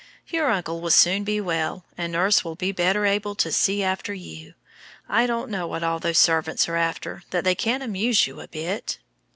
Your uncle will soon be well, and nurse will be better able to see after you. I don't know what all those servants are after that they can't amuse you a bit."